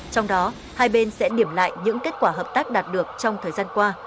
trong đó hai bên sẽ điểm lại những kết quả hợp tác đạt được trong thời gian qua